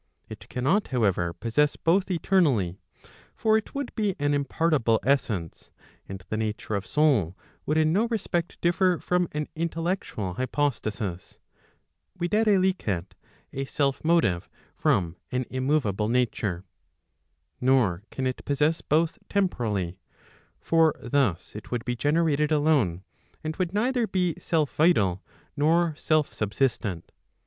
It cannot however, possess both eternally: for it would be an impartible essence, and the nature of soul would in no respect differ from an. intellectual hypostasis, viz. a self¬ motive from an immoveable nature. Nor can it possess both temporally: for thus it would be generated alone, and would neither be self vital, nor self subsistent.